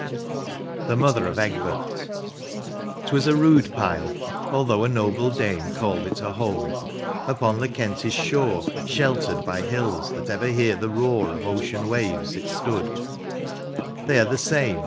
85 XIJI. THE MOTHER OF EGBERT. T WAS a rude pile, although a noble dame Called it her home ; upon the Kentish shore. Sheltered by hills that ever hear the roar Of ocean waves, it stood; they are the same.